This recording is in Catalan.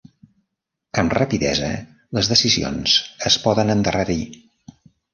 Amb rapidesa, les decisions es poden endarrerir.